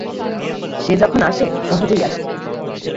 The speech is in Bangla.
সে যখন আসে সহজেই আসে।